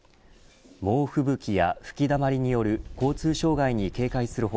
猛吹雪や吹きだまりによる交通障害に警戒する他